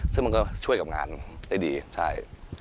ซึ่งมันก็ช่วยกับงานได้ดีใช่